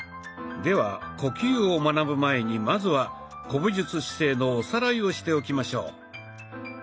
では呼吸を学ぶ前にまずは古武術姿勢のおさらいをしておきましょう。